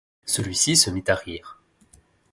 celui-ci se mit à rire.